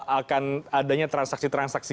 akan adanya transaksi transaksi